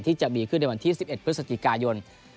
ที่จะมีขึ้นในวันที่๑๑พฤศจิกายน